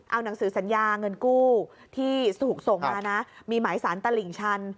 เอาหนังสือสัญญาเงินกู้ที่ถูกส่งมานะมีหมายสารตลิ่งชัน